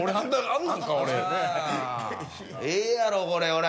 ええやろこれほら。